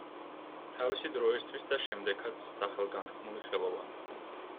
თავისი დროისათვის და შემდეგაც სახელგანთქმული ხელოვანი.